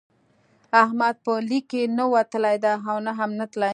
احمد به لیک کې نه وتلی دی او نه هم نتلی.